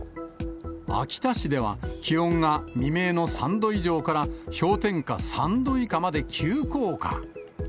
秋田市では、気温が未明の３度以上から氷点下３度以下まで急降下。